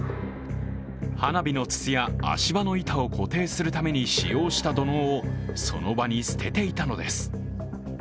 花火の筒や足場の板を固定するために使用した土のうをその場に捨てていたのです。